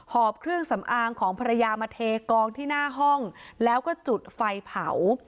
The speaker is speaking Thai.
เครื่องสำอางของภรรยามาเทกองที่หน้าห้องแล้วก็จุดไฟเผา